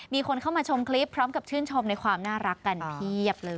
มีคนเข้ามาชมคลิปพร้อมกับชื่นชมในความน่ารักกันเพียบเลย